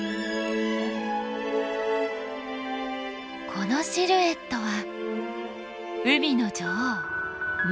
このシルエットは海の女王マンタ。